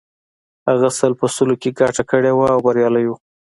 هغه سل په سلو کې ګټه کړې وه او بریالی و